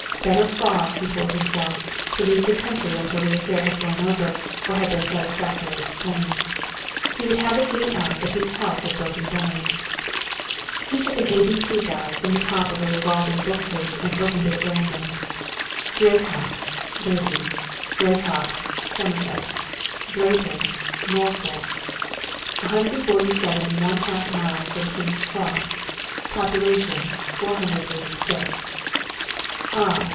Better far, he told himself, to leave the country until the affair had blown over or had been satisfactorily explained. He would have it given out that his health had broken down. He took an "ABC Guide" from the top of a revolving bookcase and opened it at random: Draycot (Derby) Draycot (Somerset) Drayton (Norfolk) 147 ½ miles from King's Cross Population 486 Ah!